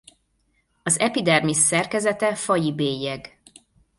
Az epidermisz szerkezete faji bélyeg.